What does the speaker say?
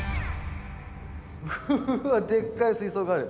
うわでっかい水槽がある。